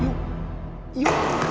よっ！